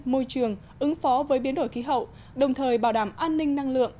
môi trường ứng phó với biến đổi khí hậu đồng thời bảo đảm an ninh năng lượng